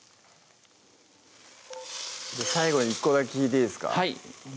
最後に１個だけ聞いていいですか？